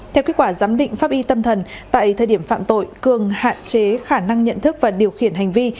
theo kết quả giám định pháp y tâm thần tại thời điểm phạm tội cường hạn chế khả năng nhận thức và điều khiển hành vi